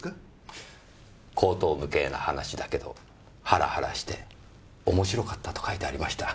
荒唐無稽な話だけどハラハラして面白かったと書いてありました。